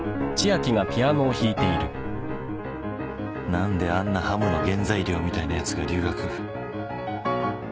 何であんなハムの原材料みたいなヤツが留学？